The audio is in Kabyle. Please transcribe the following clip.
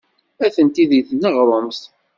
Atenti deg tneɣrumt.